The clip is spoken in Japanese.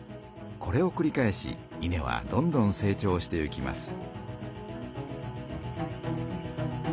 これをくり返し稲はどんどん成長していきます。